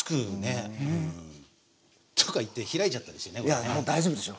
いやもう大丈夫でしょ。